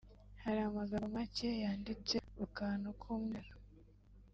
hari amagambo make yanditse ku kantu k’umweru